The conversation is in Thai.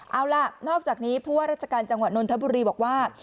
เอาล่ะนอกจากนี้ผู้ว่าราชการจังหวัดนนทบุรีบอกว่า